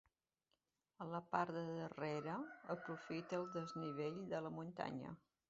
A la part de darrere aprofita el desnivell de la muntanya.